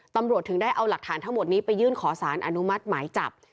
ตำรวจถึงได้เอาหลักฐานทั้งหมดนี้ไปยื่นขอสารอนุมัติหมายจับ